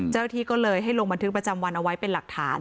เจ้าหน้าที่ก็เลยให้ลงบันทึกประจำวันเอาไว้เป็นหลักฐาน